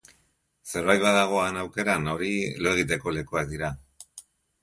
Zerbait badago han aukeran, hori, lo egiteko lekuak dira.